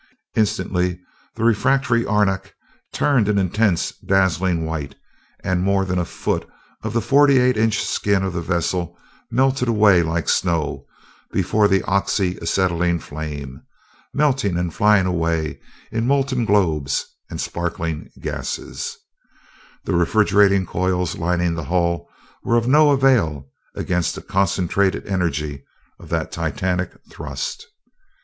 Instantly the refractory arenak turned an intense, dazzling white and more than a foot of the forty eight inch skin of the vessel melted away, like snow before an oxy acetylene flame: melting and flying away in molten globes and sparkling gases the refrigerating coils lining the hull were of no avail against the concentrated energy of that titanic thrust.